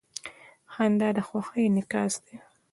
• خندا د خوښۍ انعکاس دی.